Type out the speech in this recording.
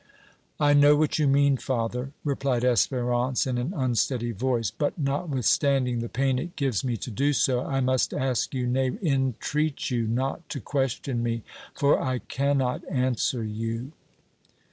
"I know what you mean, father," replied Espérance in an unsteady voice, "but, notwithstanding the pain it gives me to do so, I must ask you, nay, entreat you not to question me, for I cannot answer you!"